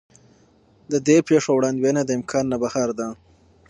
د دې پېښو وړاندوینه د امکان نه بهر ده.